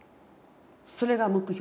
それが目標。